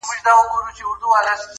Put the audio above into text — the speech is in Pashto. • په خمير كي يې فساد دئ ور اخښلى -